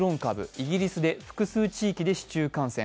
イギリスで複数地域で市中感染。